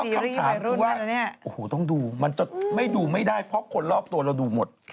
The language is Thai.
คำถามคือว่าโอ้โหต้องดูมันจะไม่ดูไม่ได้เพราะคนรอบตัวเราดูหมด